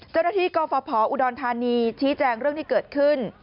เจ้าหน้าที่กฟอุดรธานีชี้แจงเรื่องที่เกิดขึ้น